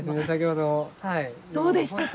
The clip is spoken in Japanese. どうでしたか？